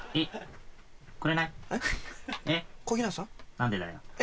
何でだよ